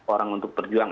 orang untuk berjuang